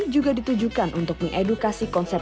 juga ditujukan untuk mengedukasi konsep